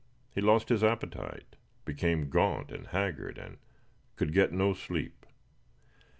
He lost his appetite, became gaunt and haggard, and could get no sleep.